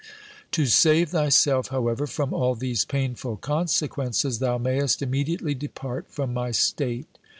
To save thyself, however, from all these painful consequences, thou mayest imme diately depart from my state.'